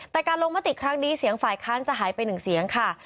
แต่การลงมติครั้งนี้เสียงฝ่ายค้านจะหายไปหนึ่งเสียงค่ะ